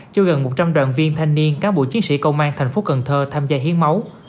cho gần một trăm linh đoàn viên thanh niên cán bộ chiến sĩ công an thành phố cần thơ tham gia hiến máu